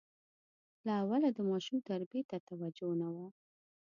له اوله د ماشوم تربیې ته توجه نه وه.